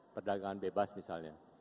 perdagangan bebas misalnya